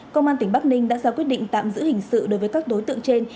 công an tỉnh bắc ninh đã ra quyết định tạm giữ hình sự đối với các đối tượng trên